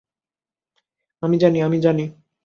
আমি জানি, আমি জানি!